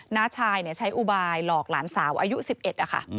น้าชายใช้อุบายหลอกหลานสาวอายุ๑๑นะคะ